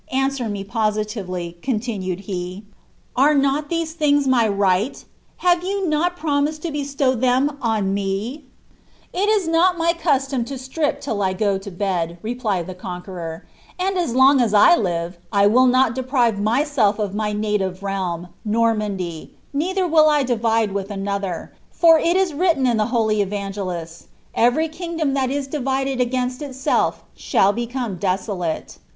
Answer me positively ^^^ coi\\xcrai^ he, " ore nnt these Uiings my right i Ilaie you nol promised to buio' them on me V ''^ It is Dot my ciuloin to strip till 1 go to bed,'" replied the Conqaeror; ''and as loitg as 1 live, 1 will not deprive inyseir of my naiivc naJn. Iformandy, neither will f divide with another; for it is written in iht holy evnugelists, ^ Evnry kiogilom that is divided against iiselT shdl become draolaie.'